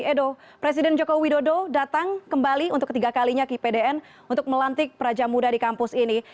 edo presiden joko widodo datang kembali untuk ketiga kalinya ke ipdn untuk melantik peraja muda di kampus ini